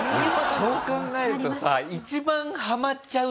そう考えるとさ。